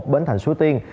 bến thành sua tiên